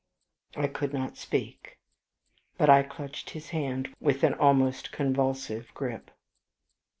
I could not speak, but I clutched his hand with an almost convulsive grip.